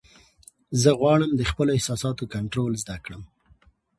زه غواړم د خپلو احساساتو کنټرول زده کړم.